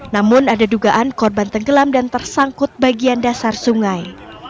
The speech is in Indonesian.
namun ada dugaan korban tenggelam dan tersangkut bagian dasar sungai